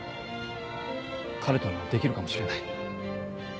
彼とならできるかもしれない。